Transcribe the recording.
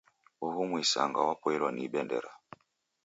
Uhu muisanga wapoilwa ni bendera.